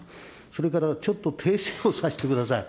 それから、ちょっと訂正をさせてください。